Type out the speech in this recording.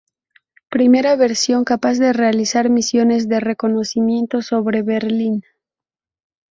Primera versión capaz de realizar misiones de reconocimiento sobre Berlín.